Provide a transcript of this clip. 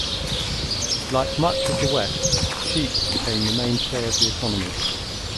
Like much of the west, sheep became the mainstay of the economy.